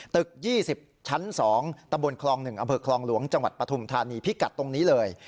๒๐ชั้น๒ตำบลคลอง๑อำเภอคลองหลวงจังหวัดปฐุมธานีพิกัดตรงนี้เลย